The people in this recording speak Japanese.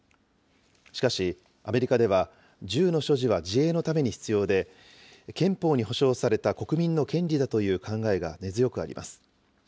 しかし、アメリカでは銃の所持は自衛のために必要で、憲法に保障された国民の権利だという考えが根強くあります。